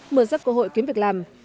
mở rắc cơ hội kiếm việc làm